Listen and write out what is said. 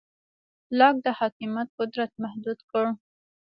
لاک د حاکمیت قدرت محدود کړ.